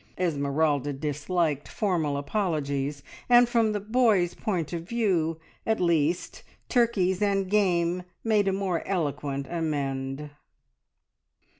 Esmeralda disliked formal apologies, and from the boys' point of view, at least, turkeys and game made a more eloquent amende.